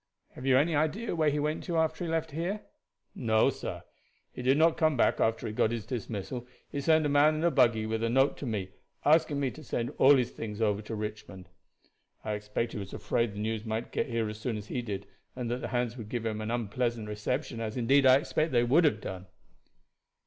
"Have you any idea where he went when he left here?" "No, sir; he did not come back after he got his dismissal. He sent a man in a buggy with a note to me, asking me to send all his things over to Richmond. I expect he was afraid the news might get here as soon as he did, and that the hands would give him an unpleasant reception, as indeed I expect they would have done."